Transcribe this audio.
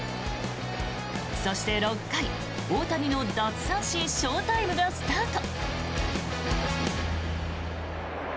そして、６回、大谷の奪三振ショータイムがスタート。